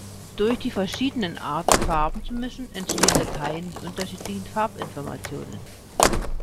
Durch die verschiedenen Arten Farben zu mischen entstehen Dateien mit unterschiedlichen Farbinformationen.